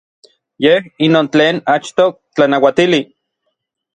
Yej inon tlen achtoj tlanauatili.